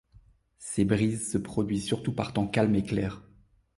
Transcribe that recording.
Ces brises se produisent surtout par temps calme et clair.